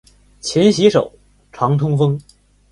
勤洗手，常通风。